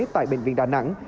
tại bệnh viện đà nẵng